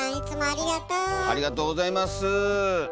ありがとうございます。